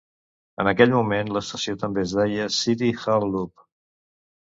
En aquell moment, l'estació també es deia City Hall Loop.